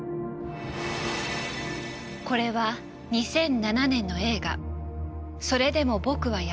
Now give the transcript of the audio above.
これは２００７年の映画「それでもボクはやってない」。